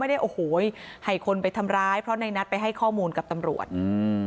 ได้โอ้โหให้คนไปทำร้ายเพราะในนัทไปให้ข้อมูลกับตำรวจอืม